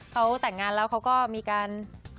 เขาแต่งงานแล้วเขาก็มีการ